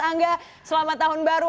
angga selamat tahun baru